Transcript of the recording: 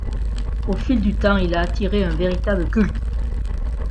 Au fil du temps, il a attiré un véritable culte.